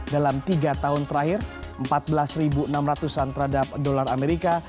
dalam tiga tahun terakhir empat belas enam ratus an terhadap dolar amerika